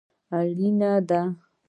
اړین دي